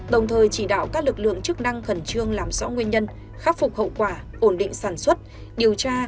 đồng thời chỉ đạo các lực lượng chức năng khẩn trương làm rõ nguyên nhân khắc phục hậu quả ổn định sản xuất điều tra